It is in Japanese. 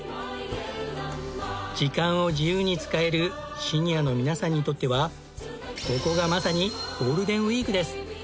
時間を自由に使えるシニアの皆さんにとってはここがまさにゴールデンウィークです。